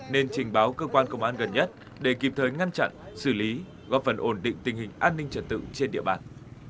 nên trình báo cơ quan công an gần nhất để kịp thời ngăn chặn xử lý góp phần ổn định tình hình an ninh trật tự trên địa bàn